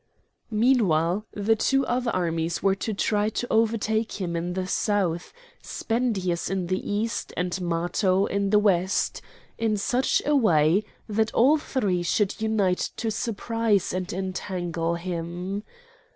Meanwhile the two other armies were to try to overtake him in the south, Spendius in the east, and Matho in the west, in such a way that all three should unite to surprise and entangle him.